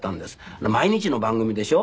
毎日の番組でしょ。